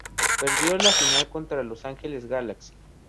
Perdió la final contra Los Angeles Galaxy.